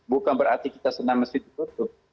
bukan berarti kita senam masjid ditutup